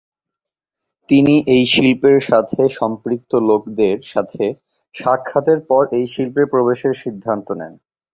তিনি এই শিল্পের সাথে সম্পৃক্ত লোকদের সাথে সাক্ষাতের পরে এই শিল্পে প্রবেশের সিদ্ধান্ত নেন।